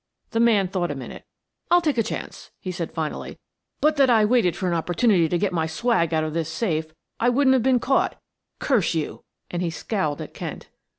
The man thought a minute. "I'll take a chance," he said finally. "But that I waited for an opportunity to get my swag out of this safe, I wouldn't have been caught curse you!" and he scowled at Kent.